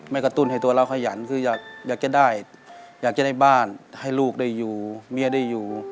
กระตุ้นให้ตัวเราขยันคืออยากจะได้อยากจะได้บ้านให้ลูกได้อยู่เมียได้อยู่